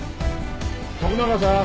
徳永さん？